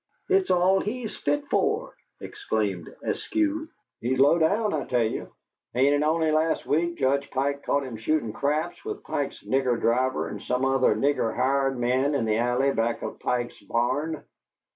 "It's all he's fit for!" exclaimed Eskew. "He's low down, I tell ye. Ain't it only last week Judge Pike caught him shootin' craps with Pike's nigger driver and some other nigger hired men in the alley back of Pike's barn."